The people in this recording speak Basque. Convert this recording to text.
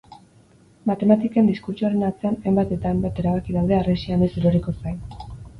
Matematiken diskurtsoaren atzean hainbat eta hainbat erabaki daude harresia noiz eroriko zain.